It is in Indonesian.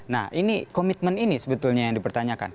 nah ini komitmen ini sebetulnya yang dipertanyakan